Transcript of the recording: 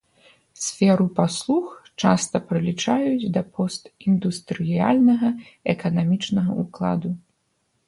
Сферу паслуг часта прылічаюць да постіндустрыяльнага эканамічнага ўкладу.